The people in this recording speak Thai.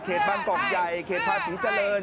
เขตบางกอกใหญ่เขตพระศรีเจริญ